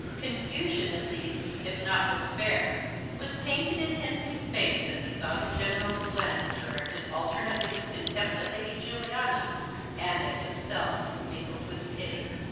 Confusion, at least, if not despair, was painted in Henry's face as he saw the General's glance directed alternately with contempt at Lady Juliana, and at himself, mingled with pity.